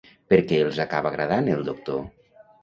Per què els acaba agradant el doctor?